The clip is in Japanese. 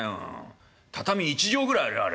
畳１畳ぐらいあるよあれ。